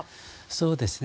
そうですね。